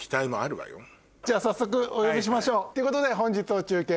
じゃあ早速お呼びしましょう。ということで本日の中継